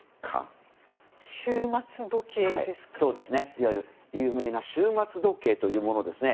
いわゆる有名な終末時計というものです。